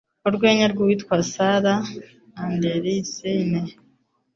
Urwenya rw'uwitwa Sarah Andersen.